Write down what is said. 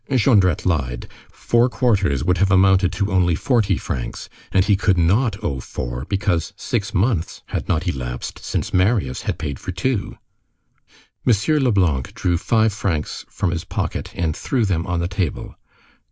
Jondrette lied. Four quarters would have amounted to only forty francs, and he could not owe four, because six months had not elapsed since Marius had paid for two. M. Leblanc drew five francs from his pocket and threw them on the table.